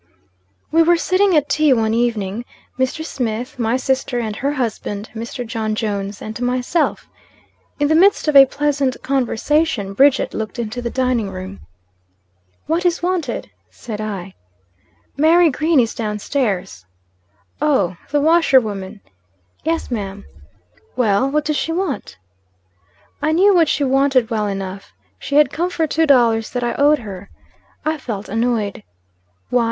WE were sitting at tea one evening Mr. Smith, my sister and her husband, Mr. John Jones, and myself. In the midst of a pleasant conversation, Bridget looked into the dining room. "What is wanted?" said I. "Mary Green is down stairs." "Oh! the washerwoman." "Yes ma'am." "Well, what does she want?" I knew what she wanted well enough. She had come for two dollars that I owed her. I felt annoyed. "Why?"